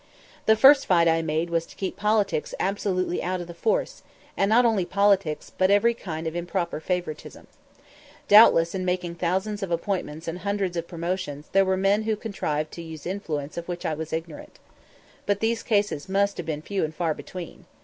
The first fight I made was to keep politics absolutely out of the force; and not only politics, but every kind of improper favoritism. Doubtless in making thousands of appointments and hundreds of promotions there were men who contrived to use influence of which I was ignorant. But these cases must have been few and far between.